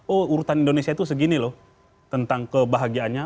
oh urutan indonesia itu segini loh tentang kebahagiaannya